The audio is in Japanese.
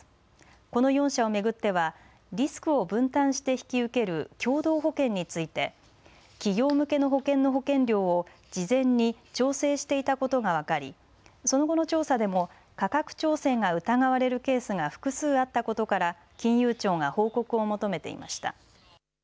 この４社を巡ってはリスクを分担して引き受ける共同保険について企業向けの保険の保険料を事前に調整していたことが分かりその後の調査でも価格調整が疑われるケースが複数あったことから金融庁が報告を求めていました。